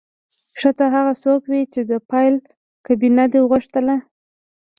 ښه ته هغه څوک وې چې د فایل کابینه دې غوښتله